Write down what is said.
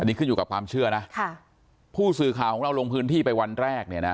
อันนี้ขึ้นอยู่กับความเชื่อนะค่ะผู้สื่อข่าวของเราลงพื้นที่ไปวันแรกเนี่ยนะ